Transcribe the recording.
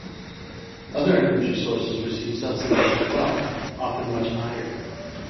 Other energy sources receive subsidies as well, often much higher.